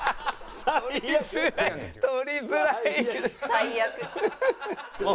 最悪。